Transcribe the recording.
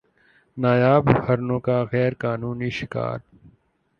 نایاب ہرنوں کا غیر قانونی شکار